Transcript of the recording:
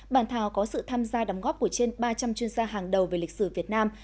bản thảo có sự tham gia đóng góp của trên ba trăm linh chuyên gia hàng đầu về lịch sử việt nam